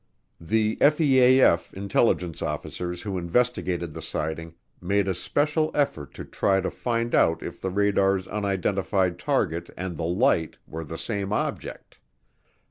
The FEAF intelligence officers who investigated the sighting made a special effort to try to find out if the radar's unidentified target and the light were the same object.